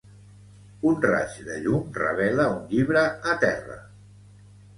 Un raig de llum revela un llibre a terra.